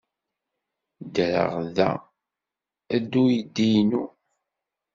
Ddreɣ da ed uydi-inu.